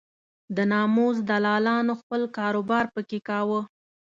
د ناموس دلالانو خپل کار و بار په کې کاوه.